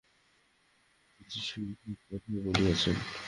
ন্যাজারেথবাসী যীশু এই সব কথাই বলিয়াছেন।